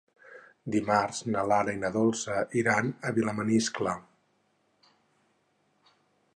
Dimarts na Lara i na Dolça iran a Vilamaniscle.